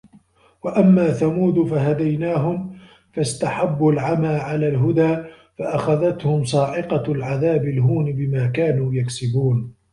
وَأَمّا ثَمودُ فَهَدَيناهُم فَاستَحَبُّوا العَمى عَلَى الهُدى فَأَخَذَتهُم صاعِقَةُ العَذابِ الهونِ بِما كانوا يَكسِبونَ